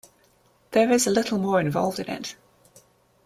There is a little more involved in it.